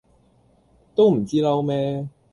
都唔知嬲咩